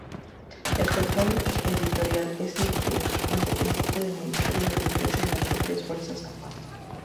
El control editorial es independiente del Ministerio de Defensa y las propias fuerzas armadas.